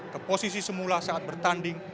ke posisi semula saat bertanding